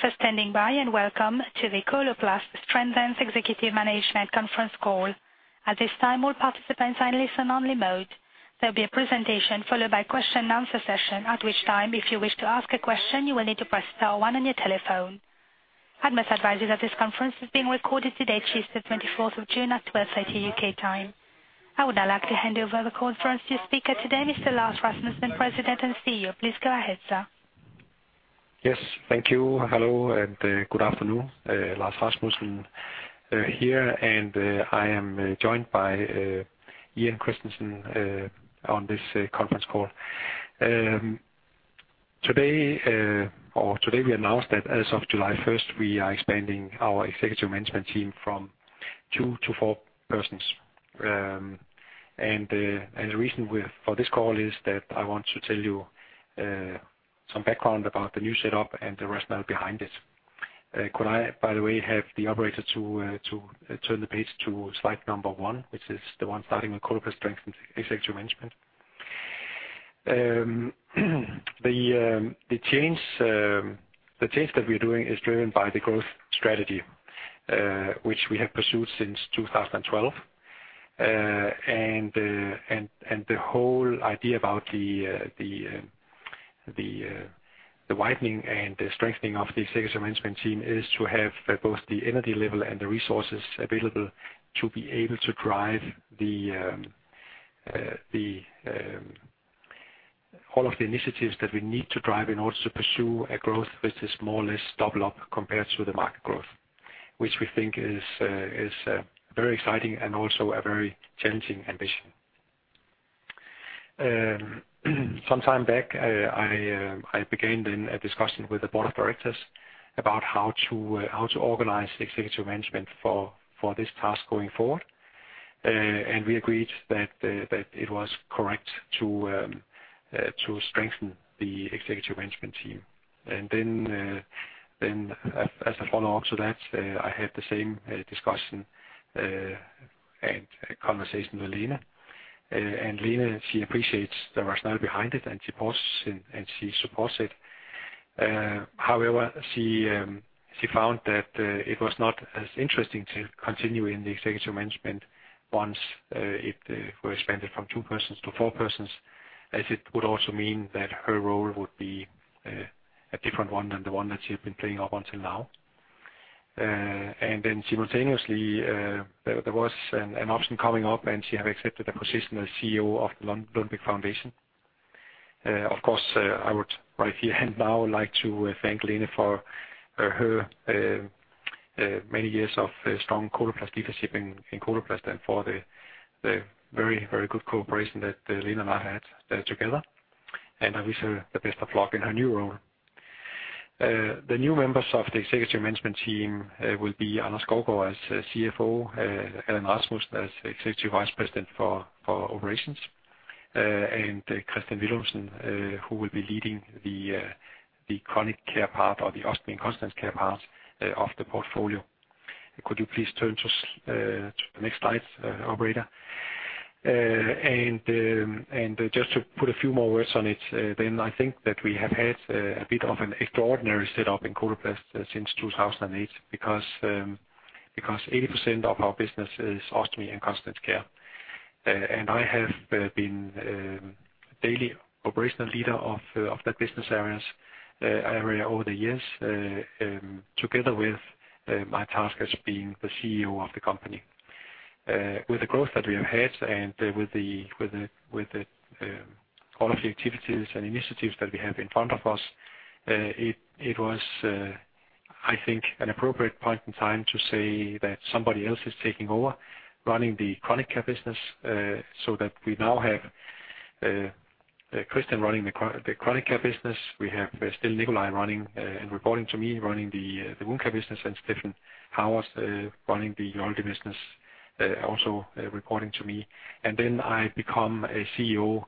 Thank you for standing by. Welcome to the Coloplast Strengthens Executive Management Conference Call. At this time, all participants are in listen only mode. There'll be a presentation followed by question and answer session, at which time, if you wish to ask a question, you will need to press star one on your telephone. I must advise you that this conference is being recorded today, Tuesday, June 24th, at 12:30 P.M. U.K. time. I would now like to hand over the conference to speaker today, Mr. Lars Rasmussen, President and CEO. Please go ahead, sir. Yes, thank you. Hello, and good afternoon, Lars Rasmussen here, and I am joined by Ian Christensen on this conference call. Today, we announced that as of July 1st, we are expanding our executive management team from two to four persons. The reason we're for this call is that I want to tell you some background about the new setup and the rationale behind it. Could I, by the way, have the operator to turn the page to slide number one which is the one starting with Coloplast Strengthens Executive Management? The change that we're doing is driven by the growth strategy, which we have pursued since 2012. The whole idea about the widening and the strengthening of the Executive Management Team is to have both the energy level and the resources available to be able to drive all of the initiatives that we need to drive in order to pursue a growth which is more or less double up compared to the market growth, which we think is very exciting and also a very challenging ambition. Sometime back, I began in a discussion with the Board of Directors about how to organize executive management for this task going forward. We agreed that it was correct to strengthen the Executive Management Team. Then as a follow-up to that, I had the same discussion and conversation with Lene. Lene she appreciates the rationale behind it, and she pauses, and she supports it. However, she found that it was not as interesting to continue in the executive management once it was expanded from two persons to four persons, as it would also mean that her role would be a different one than the one that she had been playing up until now. Simultaneously, there was an option coming up, and she have accepted a position as CEO of the Lundbeck Foundation. Of course, I would right here and now like to thank Lene for her many years of strong Coloplast leadership in Coloplast and for the very, very good cooperation that Lene and I had together. I wish her the best of luck in her new role. The new members of the executive management team will be Anders Lonning-Skovgaard as CFO, Allan Rasmussen as Executive Vice President for Operations, and Kristian Villumsen, who will be leading the Chronic Care part or the ostomy and continence care part of the portfolio. Could you please turn to the next slide, operator? Just to put a few more words on it, then I think that we have had a bit of an extraordinary setup in Coloplast since 2008, because 80% of our business is ostomy and continence care. I have been daily operational leader of the business areas, area over the years, together with my task as being the CEO of the company. With the growth that we have had and with the, with the, with the, all of the activities and initiatives that we have in front of us, it was, I think, an appropriate point in time to say that somebody else is taking over running the chronic care business, so that we now have Kristian running the chronic, the chronic care business. We have still Nicolai running, and reporting to me, running the wound care business, and Steffen Hovard running the urology business, also reporting to me. Then I become a CEO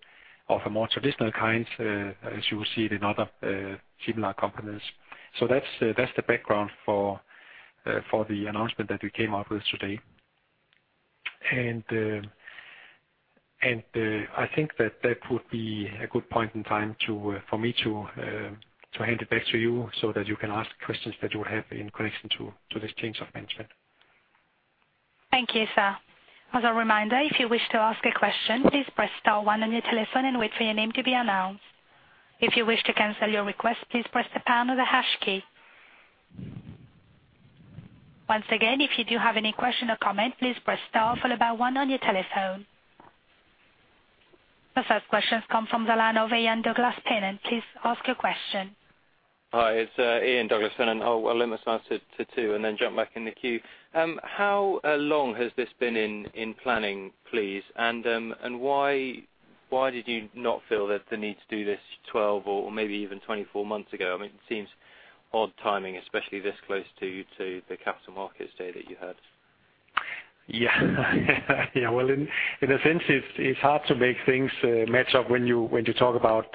of a more traditional kind, as you will see it in other, similar companies. So that's the background for the announcement that we came out with today I think that that would be a good point in time to for me to hand it back to you so that you can ask questions that you have in connection to this change of management. Thank you, sir. As a reminder, if you wish to ask a question, please press star one on your telephone and wait for your name to be announced. If you wish to cancel your request, please press the pound or the hash key. Once again, if you do have any question or comment, please press star followed by one on your telephone. The first question comes from the line of Ian Douglas-Pennant. Please ask your question. Hi, it's Ian Douglas-Pennant, and I'll limit myself to two and then jump back in the queue. How long has this been in planning, please? Why did you not feel that the need to do this 12 or maybe even 24 months ago? I mean, it seems odd timing, especially this close to the Capital Markets Day that you had. Well, in a sense, it's hard to make things match up when you talk about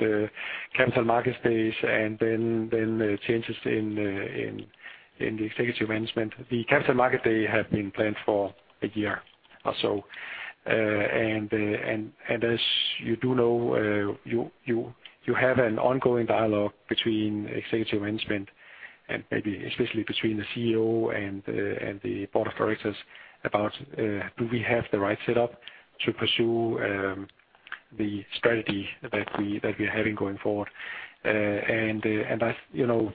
Capital Markets Day and then changes in the executive management, the Capital Market Day had been planned for a year or so. As you do know, you have an ongoing dialogue between executive management and maybe especially between the CEO and the Board of Directors about do we have the right setup to pursue the strategy that we're having going forward? I, you know,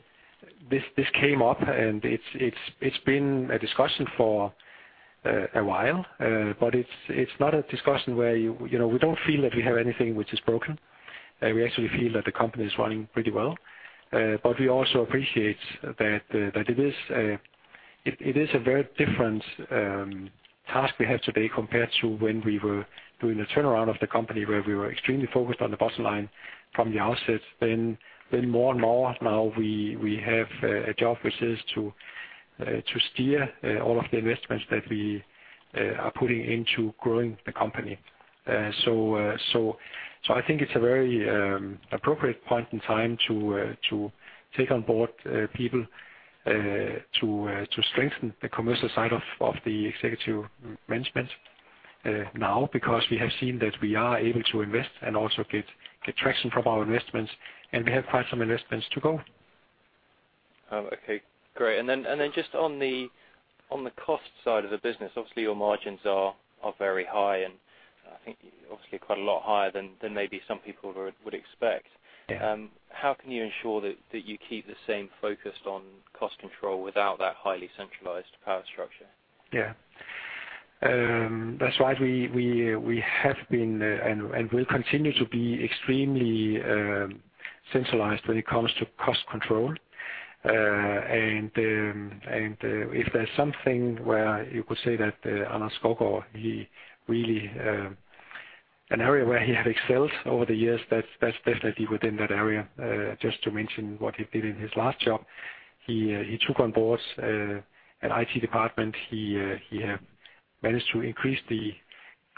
this came up, and it's been a discussion for a while, but it's not a discussion where you know, we don't feel that we have anything which is broken. We actually feel that the company is running pretty well. We also appreciate that it is a very different task we have today compared to when we were doing the turnaround of the company, where we were extremely focused on the bottom line from the outset. Then more and more now we have a job, which is to steer all of the investments that we are putting into growing the company. I think it's a very appropriate point in time to take on board people to strengthen the commercial side of the executive management now, because we have seen that we are able to invest and also get traction from our investments, and we have quite some investments to go. Oh, okay, great. Then, just on the cost side of the business, obviously your margins are very high, and I think obviously quite a lot higher than maybe some people would expect. Yeah. How can you ensure that you keep the same focus on cost control without that highly centralized power structure? Yeah. That's right. We have been and will continue to be extremely centralized when it comes to cost control. If there's something where you could say that Anders Lonning-Skovgaard, he really an area where he had excelled over the years, that's definitely within that area. Just to mention what he did in his last job, he took on board an IT department. He managed to increase the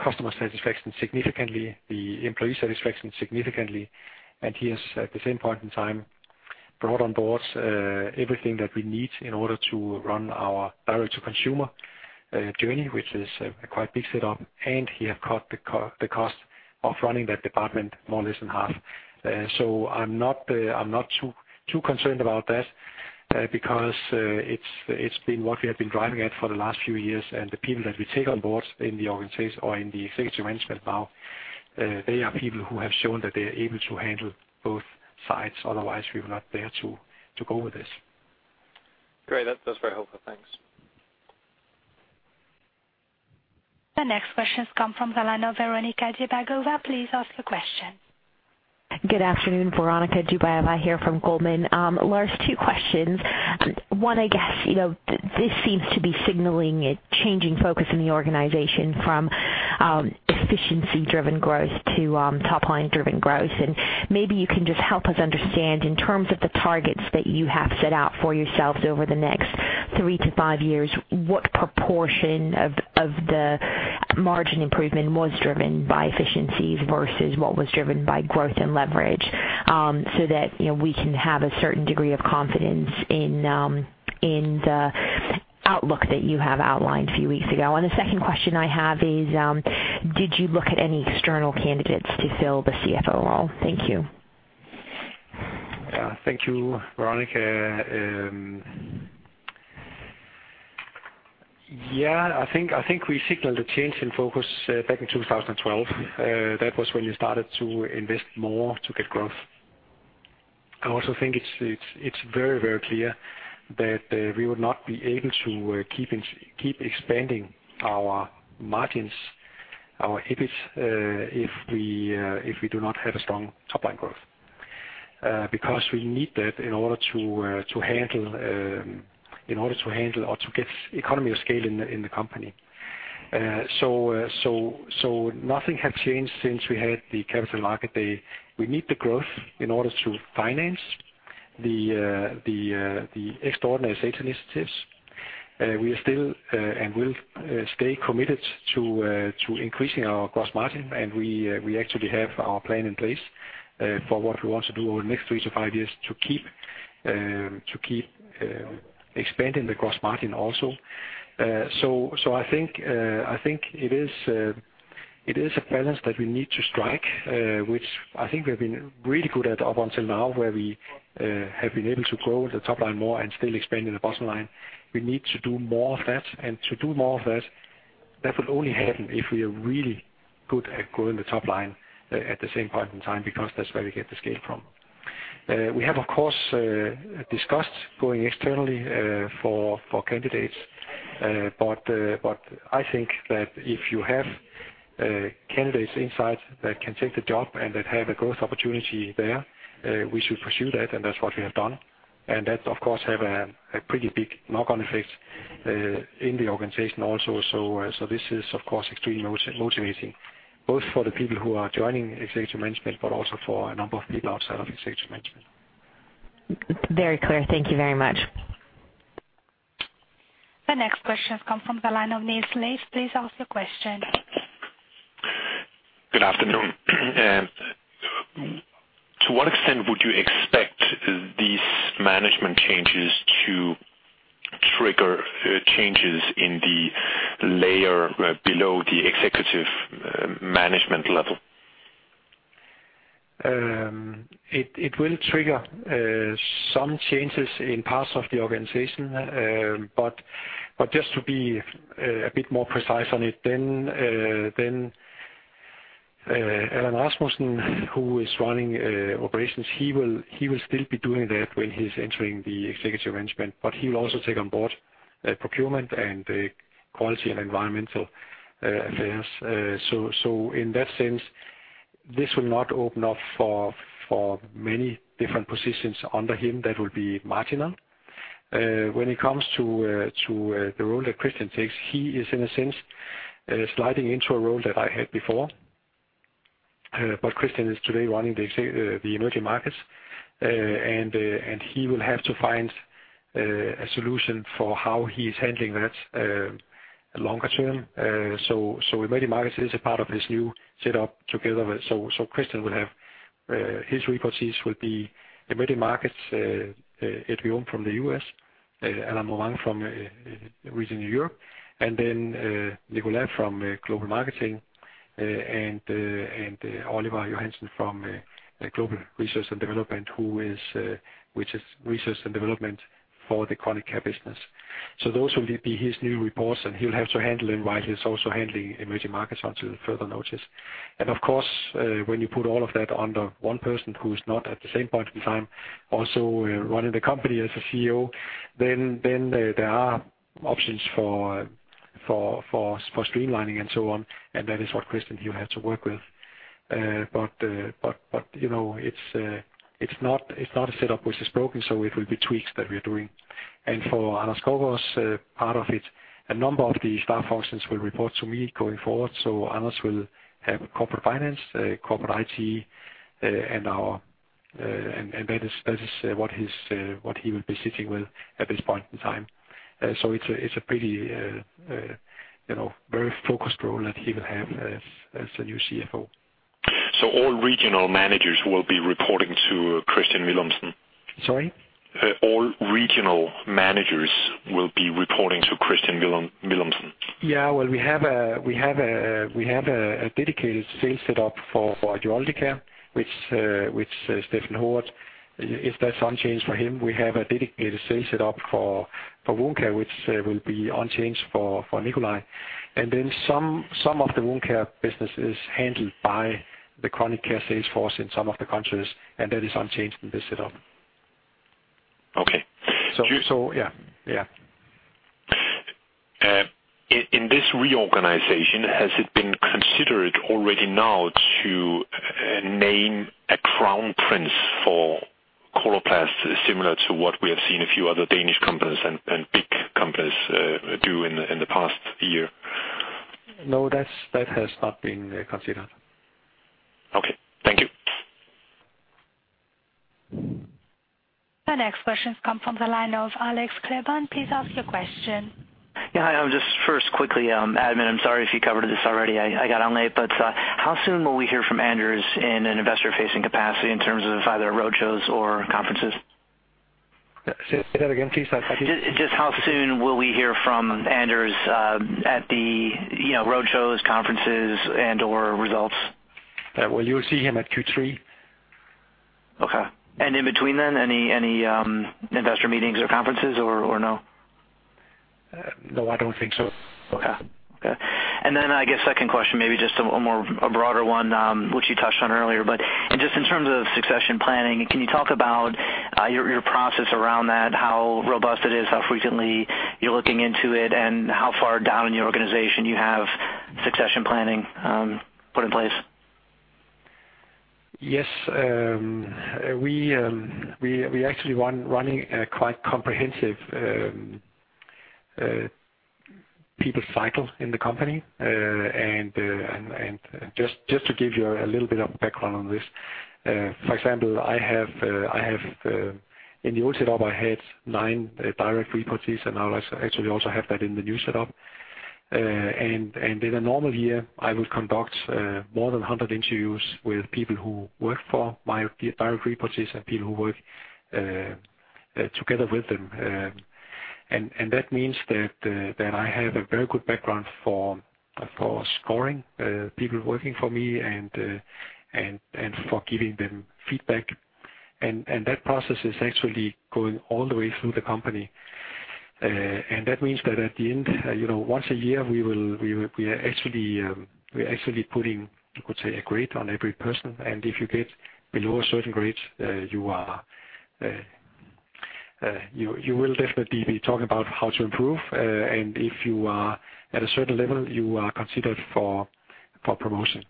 customer satisfaction significantly, the employee satisfaction significantly, and he has at the same point in time, brought on board everything that we need in order to run our direct-to-consumer journey, which is a quite big setup, and he have cut the cost of running that department more or less in half. I'm not, I'm not too concerned about that because it's been what we have been driving at for the last few years. The people that we take on board in the organization or in the executive management now, they are people who have shown that they are able to handle both sides. Otherwise, we were not there to go with this. Great. That's very helpful. Thanks. The next question has come from the line of Veronika Dubajova. Please ask your question. Good afternoon, Veronika Dubajova here from Goldman. Lars, two questions. One, I guess, you know, this seems to be signaling a changing focus in the organization from efficiency-driven growth to top-line-driven growth. Maybe you can just help us understand, in terms of the targets that you have set out for yourselves over the next three to five years, what proportion of the margin improvement was driven by efficiencies versus what was driven by growth and leverage? So that, you know, we can have a certain degree of confidence in the outlook that you have outlined a few weeks ago. The second question I have is, did you look at any external candidates to fill the CFO role? Thank you. Thank you, Veronika. Yeah, I think we signaled a change in focus back in 2012. That was when we started to invest more to get growth. I also think it's very, very clear that we would not be able to keep expanding our margins, our EBIT, if we do not have a strong top-line growth. Because we need that in order to handle or to get economy of scale in the company. So nothing has changed since we had the Capital Market Day. We need the growth in order to finance the extraordinary sales initiatives. We are still and will stay committed to increasing our gross margin, and we actually have our plan in place for what we want to do over the next three to five years to keep expanding the gross margin also. I think it is a balance that we need to strike, which I think we've been really good at up until now, where we have been able to grow the top line more and still expanding the bottom line. We need to do more of that will only happen if we are really good at growing the top line at the same point in time, because that's where we get the scale from. We have, of course, discussed going externally for candidates. I think that if you have candidates inside that can take the job and that have a growth opportunity there, we should pursue that, and that's what we have done. That, of course, have a pretty big knock-on effect in the organization also. This is, of course, extremely motivating both for the people who are joining executive management, but also for a number of people outside of executive management. Very clear. Thank you very much. The next question has come from the line of Niels Leth. Please ask your question. Good afternoon. To what extent would you expect these management changes to trigger changes in the layer below the executive management level? It will trigger some changes in parts of the organization. But just to be a bit more precise on it, then Allan Rasmussen, who is running operations, he will still be doing that when he's entering the executive management, but he'll also take on board procurement and quality and environmental affairs. So in that sense, this will not open up for many different positions under him. That will be marginal. When it comes to the role that Kristian takes, he is in a sense, sliding into a role that I had before. Kristian is today running the emerging markets, and he will have to find a solution for how he's handling that longer term. Emerging markets is a part of this new setup. So Kristian Villumsen will have his reports. He will be emerging markets, Adrian from the U.S., Alan Moran from region Europe, and then Nicolas from Global Marketing, and Oliver Johansen from Global Research and Development, which is research and development for the Chronic Care business. Those will be his new reports, and he'll have to handle them while he's also handling emerging markets until further notice. Of course, when you put all of that under one person who's not at the same point in time, also running the company as a CEO, then there are options for streamlining and so on, and that is what Kristian Villumsen, he will have to work with CFO will have a very focused role, overseeing corporate finance and corporate IT. A number of other staff functions will now report directly to the speaker All regional managers will be reporting to Kristian Villumsen? Sorry? All regional managers will be reporting to Kristian Villumsen. We have a dedicated sales set up for Urocare, which is Steffen Hovard. If that's unchanged for him, we have a dedicated sales set up for Wound care, which will be unchanged for Nicolai. Some of the wound care business is handled by the chronic care sales force in some of the countries, and that is unchanged in this setup. Okay. Yeah. Yeah. In this reorganization, has it been considered already now to name a crown prince for Coloplast, similar to what we have seen a few other Danish companies and big companies do in the past year? No, that's, that has not been considered. Okay. Thank you. The next question comes from the line of Alex Klevan. Please ask your question. Hi. Just first quickly, admin, I'm sorry if you covered this already. I got on late. How soon will we hear from Anders in an investor-facing capacity in terms of either roadshows or conferences? Say that again, please? I'm sorry. Just how soon will we hear from Anders, at the, you know, roadshows, conferences, and/or results? Well, you'll see him at Q3. Okay. In between then, any investor meetings or conferences or no? No, I don't think so. Okay. Okay. I guess second question, maybe just a more, a broader one, which you touched on earlier, but just in terms of succession planning, can you talk about your process around that, how robust it is, how frequently you're looking into it, and how far down in your organization you have succession planning put in place? Yes. We actually running a quite comprehensive people cycle in the company. Just to give you a little bit of background on this, for example, I have in the old setup, I had nine direct reports, and I actually also have that in the new setup. In a normal year, I would conduct more than 100 interviews with people who work for my direct reports and people who work together with them. That means that I have a very good background for scoring people working for me and for giving them feedback. That process is actually going all the way through the company. That means that at the end, you know, once a year, we're actually putting, you could say, a grade on every person, and if you get below a certain grade, you are, you will definitely be talking about how to improve. If you are at a certain level, you are considered for promotion.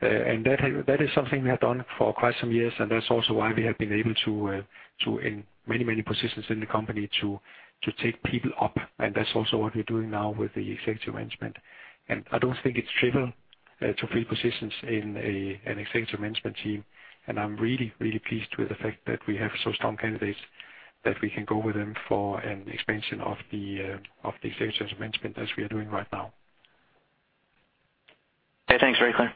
That is something we have done for quite some years, and that's also why we have been able to in many, many positions in the company to take people up. That's also what we're doing now with the executive management. I don't think it's trivial to fill positions in an Executive Management Team. I'm really, really pleased with the fact that we have so strong candidates that we can go with them for an expansion of the of the sales management as we are doing right now. Hey, thanks very clear.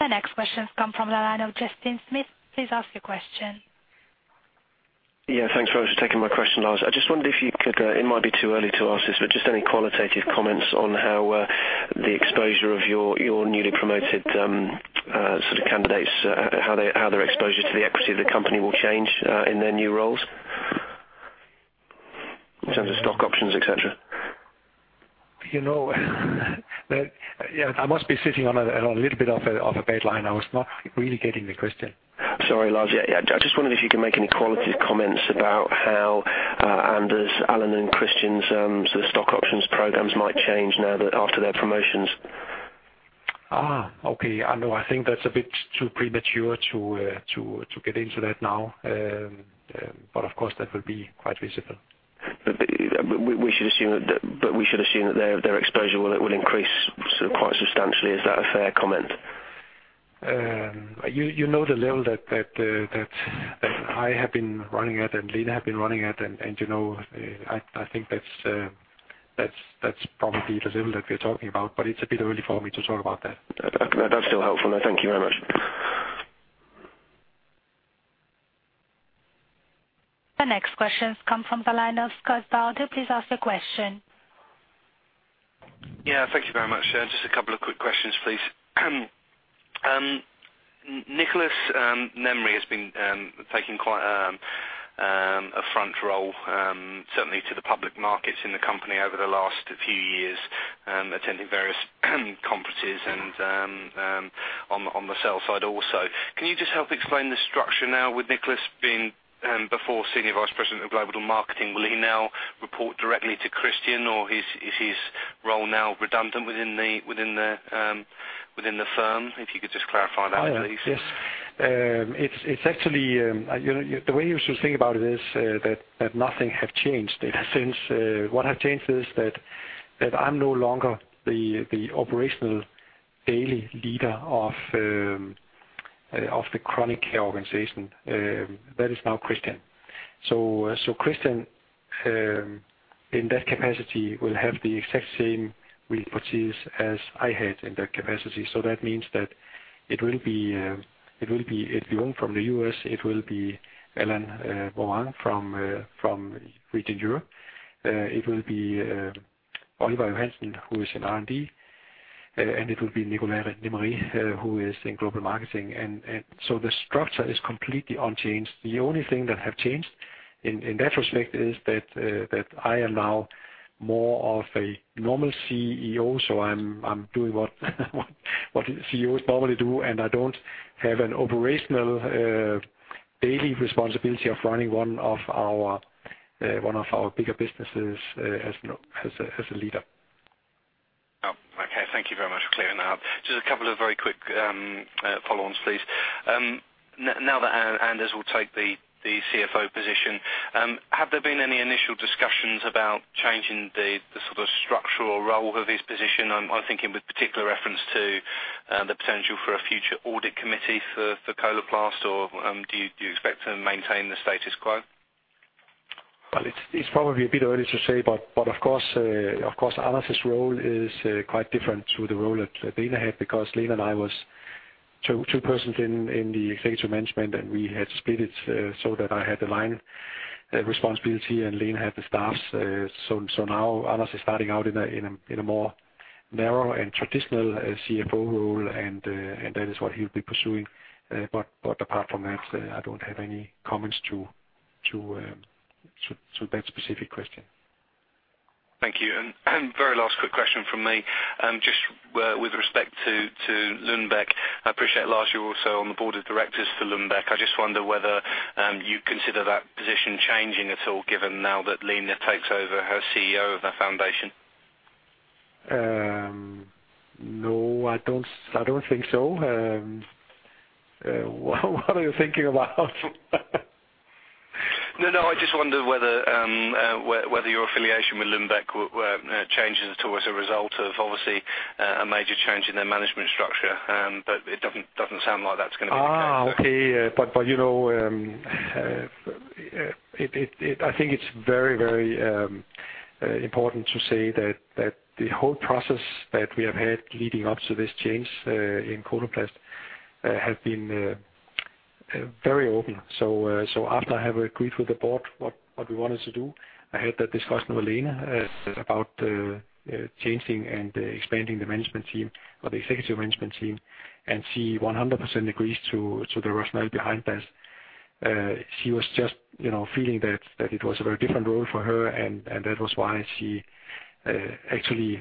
The next question comes from the line of Justin Smith. Please ask your question. Yeah, thanks for taking my question, Lars. I just wondered if you could, it might be too early to ask this, but just any qualitative comments on how the exposure of your newly promoted, sort of candidates, how their exposure to the equity of the company will change in their new roles? In terms of stock options, et cetera. You know, that, yeah, I must be sitting on a, on a little bit of a baseline. I was not really getting the question. Sorry, Lars. Yeah, I just wondered if you could make any quality comments about how Anders Lonning-Skovgaard, Allan Rasmussen, and Kristian Villumsen's sort of stock options programs might change now that after their promotions? Okay. I know. I think that's a bit too premature to get into that now. Of course, that will be quite visible. We should assume that, but we should assume that their exposure it will increase sort of quite substantially. Is that a fair comment? You know, the level that I have been running at, and Lena have been running at, and, you know, I think that's probably the level that we're talking about, but it's a bit early for me to talk about that. That's still helpful. Thank you very much. The next question comes from the line of Scott Bardo. Please ask your question. Yeah, thank you very much. Just a couple of quick questions, please. Nicolas Nemery has been taking quite a front role certainly to the public markets in the company over the last few years, attending various conferences and on the sales side also. Can you just help explain the structure now with Nicholas being before Senior Vice President of Global Marketing, will he now report directly to Kristian, or is his role now redundant within the firm? If you could just clarify that, please. Yes. It's, it's actually, you know, the way you should think about it is that nothing have changed since. What have changed is that I'm no longer the operational daily leader of the chronic care organization, that is now Kristian. Kristian, in that capacity, will have the exact same responsibilities as I had in that capacity. So that means that it will be, it will be if you want from the U.S., it will be Alan Moran from region Europe. It will be Oliver Johansen, who is in R&D, and it will be Nicolas Nemery, who is in global marketing. The structure is completely unchanged. The only thing that have changed in that respect is that I am now more of a normal CEO, so I'm doing what CEOs normally do, and I don't have an operational, daily responsibility of running one of our bigger businesses as a leader. Okay. Thank you very much for clearing that up. Just a couple of very quick follow-ons, please. Now that Anders will take the CFO position, have there been any initial discussions about changing the sort of structural role of his position? I'm thinking with particular reference to the potential for a future audit committee for Coloplast, or do you expect to maintain the status quo? It's probably a bit early to say, but of course, of course, Anders' role is quite different to the role that Lena had, because Lena and I was two persons in the executive management, and we had split it, so that I had the line responsibility and Lena had the staffs. Now, Anders is starting out in a more narrow and traditional CFO role, and that is what he'll be pursuing. Apart from that, I don't have any comments to that specific question. Thank you. Very last quick question from me. Just with respect to Lundbeck, I appreciate, Lars, you're also on the Board of Directors for Lundbeck. I just wonder whether you consider that position changing at all, given now that Lena takes over her CEO of that foundation? No, I don't, I don't think so. What, what are you thinking about? No, no, I just wondered whether your affiliation with Lundbeck were changes towards a result of obviously a major change in their management structure. It doesn't sound like that's gonna be the case. Okay. You know, I think it's very important to say that the whole process that we have had leading up to this change in Coloplast has been very open. After I have agreed with the board, what we wanted to do, I had that discussion with Lena about changing and expanding the management team or the Executive Management Team, and she 100% agrees to the rationale behind this. She was just, you know, feeling that it was a very different role for her, and that was why she, actually,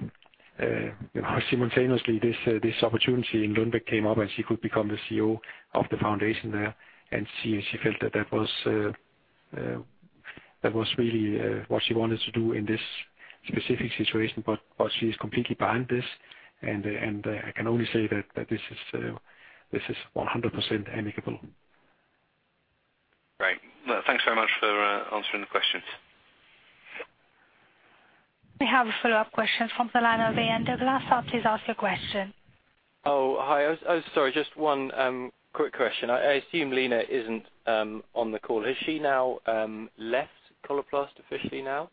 you know, simultaneously, this opportunity in Lundbeck came up, and she could become the CEO of the Lundbeck Foundation there, and she felt that that was really, what she wanted to do in this specific situation. She's completely behind this, and I can only say that this is, this is 100% amicable. Great. Well, thanks very much for answering the questions. We have a follow-up question from the line of Ian Douglas-Pennant. Please ask your question. Oh, hi. I'm sorry, just one quick question. I assume Lena isn't on the call. Has she now left Coloplast officially now?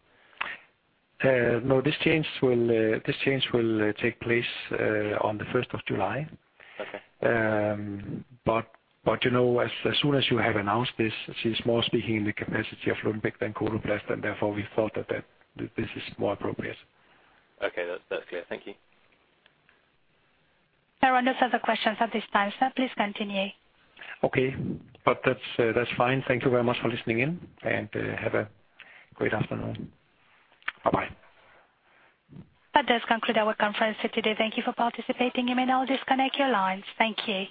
No, this change will take place on the first of July. Okay. You know, as soon as you have announced this, she's more speaking in the capacity of Lundbeck than Coloplast, and therefore, we thought that this is more appropriate. That's clear. Thank you. There are no further questions at this time, sir. Please continue. Okay, that's fine. Thank you very much for listening in. Have a great afternoon. Bye-bye. That does conclude our conference for today. Thank you for participating. You may now disconnect your lines. Thank you.